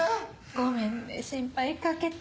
ごめんね心配かけて。